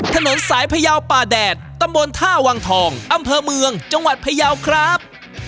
ถนนสายพยาวป่าแดดตำบลท่าวังทองอำเภอเมืองจังหวัดพยาวครับ